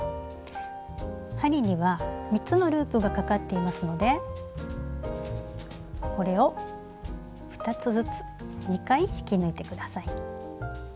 針には３つのループがかかっていますのでこれを２つずつ２回引き抜いて下さい。